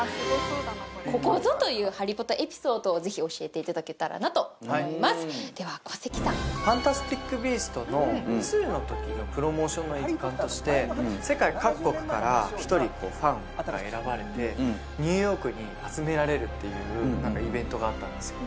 ここぞという「ハリポタ」エピソードをぜひ教えていただけたらなと思いますでは小関さん「ファンタスティック・ビースト」の２のときのプロモーションの一環として世界各国から１人ファンが選ばれてニューヨークに集められるっていうイベントがあったんですよ